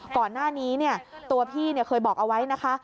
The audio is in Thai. ก่อนหน้านี้ตัวพี่เคยบอกเอาไว้นะคะ